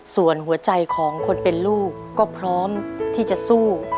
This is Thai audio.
ส่วนหัวใจของคนเป็นลูกก็พร้อมที่จะสู้